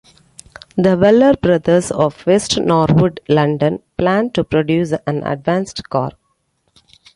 The Weller Brothers of West Norwood, London, planned to produce an advanced car.